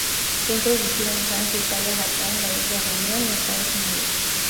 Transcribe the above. Fue introducido en Francia, Italia, Japón, la isla Reunión y Estados Unidos.